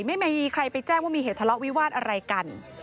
ไม่มีใครไปแจ้งว่ามีเหตุทะเลาะวิวาสอะไรกัน